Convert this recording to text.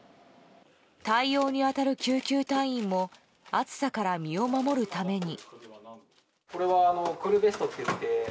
対応に当たる救急隊員も暑さから身を守るために。